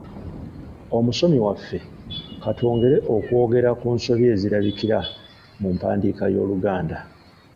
Omusomi waffe, ka twongere okwogera ku nsobi ezirabikira mu mpandiika y'Oluganda.